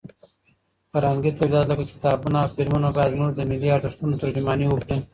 فرهنګي تولیدات لکه کتابونه او فلمونه باید زموږ د ملي ارزښتونو ترجماني وکړي.